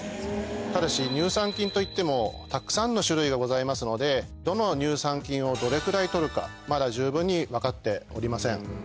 ただし乳酸菌といってもたくさんの種類がございますのでどの乳酸菌をどれくらい取るかまだ十分に分かっておりません。